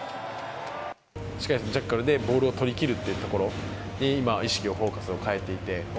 しっかりとジャッカルでボールを取りきるっていうところ、今、意識を、フォーカスを変えていて。